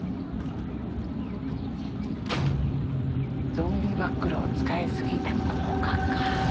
ゾンビバックルを使いすぎた効果か。